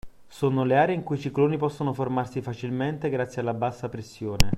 Sono le aree in cui i cicloni possono formarsi facilmente grazie alla bassa pressione